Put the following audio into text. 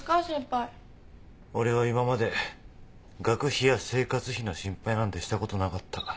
俺は今まで学費や生活費の心配なんてしたことなかった。